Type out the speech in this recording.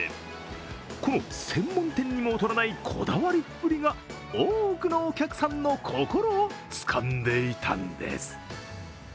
この専門店にも劣らないこだわりっぷりが多くのお客さんの心をつかんでいたんです。